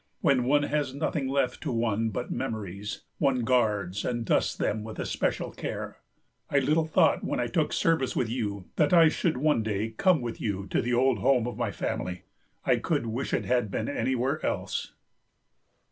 When one has nothing left to one but memories, one guards and dusts them with especial care. I little thought when I took service with you that I should one day come with you to the old home of my family. I could wish it had been anywhere else."